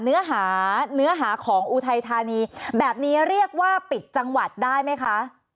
เนื้อหาเนื้อหาของอุทัยธานีแบบนี้เรียกว่าปิดจังหวัดได้ไหมคะ